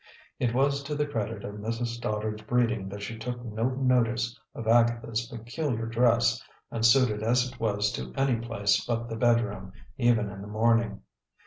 It was to the credit of Mrs. Stoddard's breeding that she took no notice of Agatha's peculiar dress, unsuited as it was to any place but the bedroom, even in the morning.